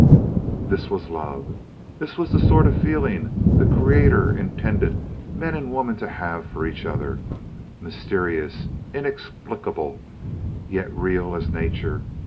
This was love this was the sort of feeling the Creator intended men and women to have for each other mysterious, inexplicable, yet real as Nature.